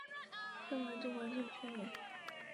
圣玛窦广场相连。